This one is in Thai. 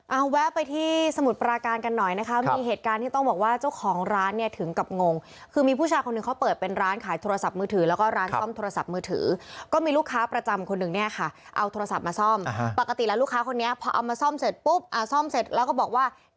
เอาแวะไปที่สมุทรปราการกันหน่อยนะคะมีเหตุการณ์ที่ต้องบอกว่าเจ้าของร้านเนี่ยถึงกับงงคือมีผู้ชายคนหนึ่งเขาเปิดเป็นร้านขายโทรศัพท์มือถือแล้วก็ร้านซ่อมโทรศัพท์มือถือก็มีลูกค้าประจำคนหนึ่งเนี่ยค่ะเอาโทรศัพท์มาซ่อมปกติแล้วลูกค้าคนนี้พอเอามาซ่อมเสร็จปุ๊บอ่าซ่อมเสร็จแล้วก็บอกว่า